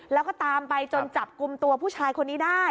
แล้วก็ตามไปจนจับกลุ่มตัวผู้ชายคนนี้ได้